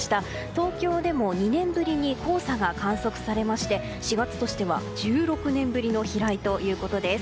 東京でも２年ぶりに黄砂が観測されまして４月としては１６年ぶりの飛来ということです。